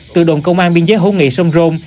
từ đồn công an biên giới hữu nghị sông rôm